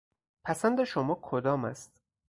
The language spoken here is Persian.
پسند شما کدام است؟